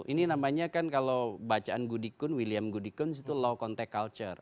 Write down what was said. ini namanya kan kalau bacaan goodikun william goodikun itu low contact culture